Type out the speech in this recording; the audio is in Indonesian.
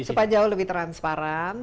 supaya jauh lebih transparan